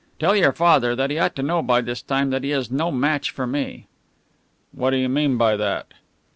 Tell your father that he ought to know by this time that he is no match for me." "What do you mean by that?"